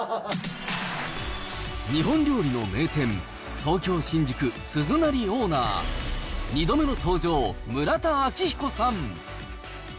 日本料理の名店、東京・新宿、鈴なりオーナー、２度目の登場、村田明彦さん。